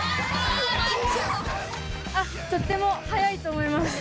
あとっても速いと思います。